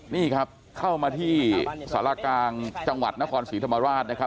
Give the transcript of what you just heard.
นี่ครับเข้ามาที่สารกลางจังหวัดนครศรีธรรมราชนะครับ